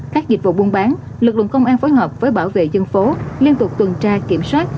các dịch vụ buôn bán lực lượng công an phối hợp với bảo vệ dân phố liên tục tuần tra kiểm soát